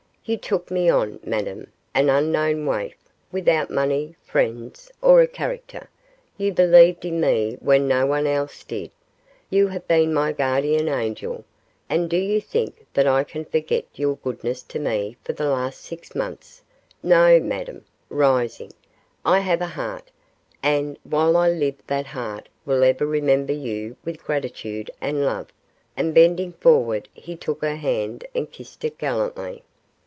You took me on, Madame, an unknown waif, without money, friends, or a character; you believed in me when no one else did; you have been my guardian angel: and do you think that I can forget your goodness to me for the last six months? No! Madame,' rising, 'I have a heart, and while I live that heart will ever remember you with gratitude and love;' and bending forward he took her hand and kissed it gallantly.